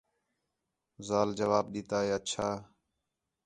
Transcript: ذال جواب ݙِتا ہِے اچّھا